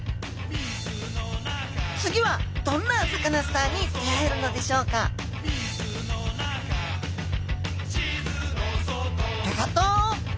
次はどんなサカナスターに出会えるのでしょうかギョギョッと楽しみに待っててくださいね！